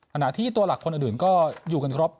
ขณะที่ตัวหลักคนอื่นก็อยู่กันครบ